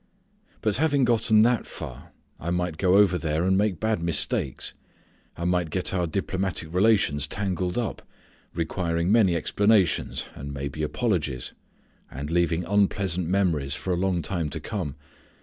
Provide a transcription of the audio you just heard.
But having gotten that far I might go over there and make bad mistakes. I might get our diplomatic relations tangled up, requiring many explanations, and maybe apologies, and leaving unpleasant memories for a long time to come.